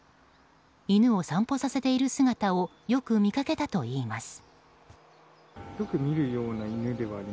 犬を散歩させている姿をよく見かけたといいます。